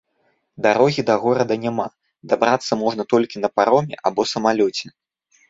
Дарогі да горада няма, дабрацца можна толькі на пароме або самалёце.